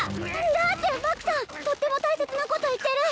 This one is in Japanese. だってバクさんとっても大切なこと言ってる！